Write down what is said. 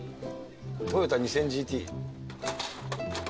トヨタ２０００ＧＴ。